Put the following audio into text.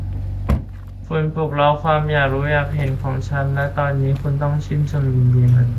คุณปลุกเร้าความอยากรู้อยากเห็นของฉัน และตอนนี้คุณต้องชื่นชมยินดีมัน